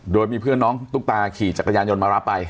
โดยมีเพื่อนน้องตุ๊กตาขี่จักรยานยนต์มารับไป